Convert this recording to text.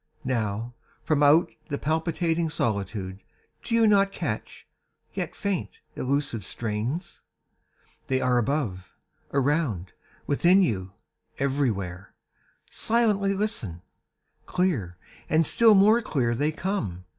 Now, From out the palpitating solitude Do you not catch, yet faint, elusive strains? They are above, around, within you, everywhere. Silently listen! Clear, and still more clear, they come.